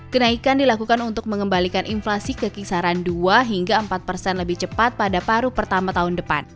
kenaikan dilakukan untuk mengembalikan inflasi ke kisaran dua hingga empat persen lebih cepat pada paruh pertama tahun depan